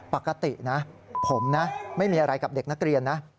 ปกตินะผมนะไม่มีอะไรกับเด็กนักเรียนนะ